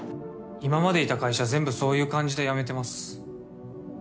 今までいた会社全部そういう感じで辞めてます。